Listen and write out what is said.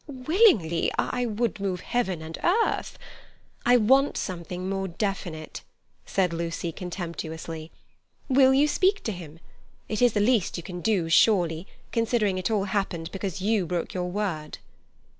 "Willingly would I move heaven and earth—" "I want something more definite," said Lucy contemptuously. "Will you speak to him? It is the least you can do, surely, considering it all happened because you broke your word."